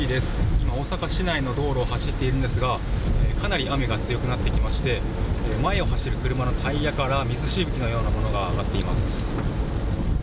今、大阪市内の道路を走っているんですがかなり雨が強くなってきまして前を走る車のタイヤから水しぶきのようなものが上がっています。